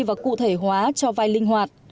các địa phương cũng cần phụ thể hóa cho vai linh hoạt